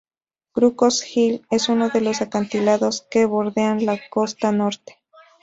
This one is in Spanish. Crocus Hill es uno de los acantilados que bordean la costa Norte.